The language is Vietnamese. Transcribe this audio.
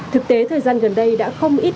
thực tế thời gian gần đây đã không ít